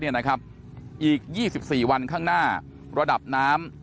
อีกยี่สิบสี่วันข้างหน้ารลับน้ำ